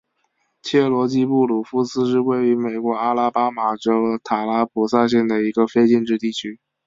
切罗基布鲁夫斯是位于美国阿拉巴马州塔拉普萨县的一个非建制地区。